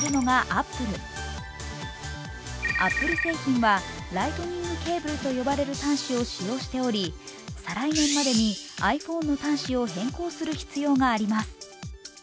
アップル製品はライトニングケーブルと呼ばれる端子を使用しており再来年までにｉＰｈｏｎｅの端子を変更する必要があります。